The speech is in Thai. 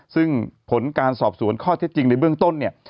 ซึ่งผลการสอบสวนข้อเท็จจริงในเบื้องต้นเนี่ย